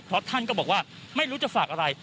เพราะท่านก็บอกว่าไม่รู้จะฝากอะไร